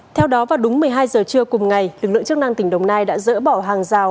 theo đó vào đúng một mươi hai giờ trưa cùng ngày lực lượng chức năng tỉnh đồng nai đã dỡ bỏ hàng rào